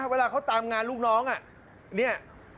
เวลาเขาตามงานลูกน้องเนี่ย